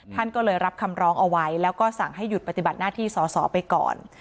ท่านก็เลยรับคำร้องเอาไว้แล้วก็สั่งให้หยุดปฏิบัติหน้าที่สอสอไปก่อน